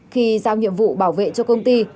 khi giao nhiệm vụ bảo vệ cho công ty